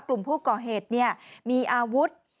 กลุ่มผู้ก่อเหตุมีอาวุธ